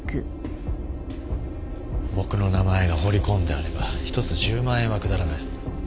僕の名前が彫り込んであれば１つ１０万円は下らない。